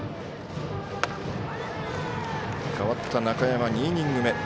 代わった中山２イニング目。